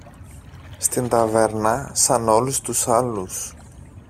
Στην ταβέρνα, σαν όλους τους άλλους.